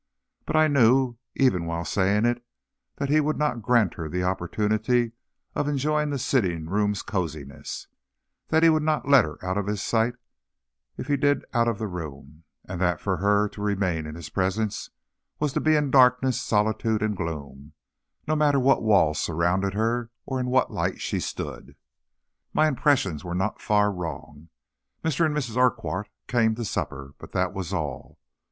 But I knew, even while saying it, that he would not grant her the opportunity of enjoying the sitting room's coziness; that he would not let her out of his sight, if he did out of the room, and that for her to remain in his presence was to be in darkness, solitude and gloom, no matter what walls surrounded her or in what light she stood. My impressions were not far wrong. Mr. and Mrs. Urquhart came to supper, but that was all.